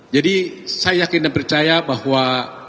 jadi saya yakin dan percaya bahwa